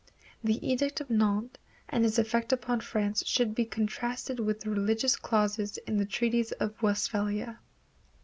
The edict of Nantes and its effect upon France should be contrasted with the religious clauses in the Treaties of Westphalia.